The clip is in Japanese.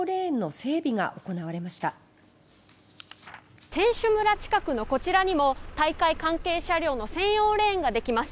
「選手村近くのこちらも大会関係車両の専用レーンができます。